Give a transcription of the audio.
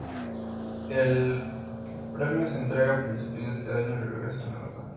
El premio se entrega a principios de este año y regresó en el otoño.